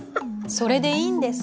それでいいんです。